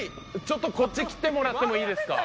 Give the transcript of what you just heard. ちょっとこっち来てもらってもいいですか。